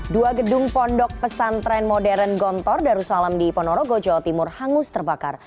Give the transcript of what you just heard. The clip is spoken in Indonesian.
dua gedung pondok pesantren modern gontor darussalam di ponorogo jawa timur hangus terbakar